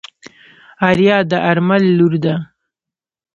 آريا د آرمل لور ده.